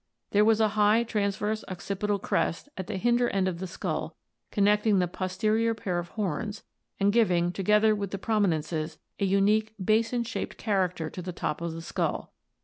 There was a high transverse occipital crest at the hinder end of the skull connecting the posterior pair of horns and giving, together with the prominences, a unique basin shaped character to the top of the skull.